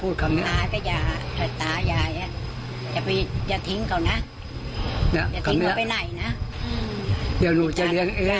เดี๋ยวหนูจะเลี้ยงเอง